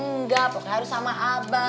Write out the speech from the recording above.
nggak pokoknya harus sama abang